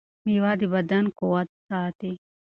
مېوه د بدن قوت ساتي.